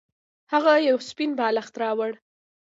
هغه یو سپین بالښت راوړ.